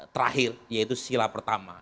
terakhir yaitu sila pertama